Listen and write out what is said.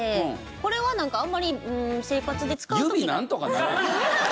これはなんかあんまり生活で使う時。